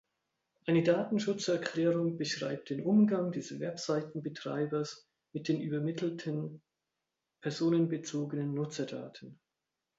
Eine Datenschutzerklärung beschreibt den Umgang des Webseitenbetreibers mit den übermittelten personenbezogenen Nutzerdaten.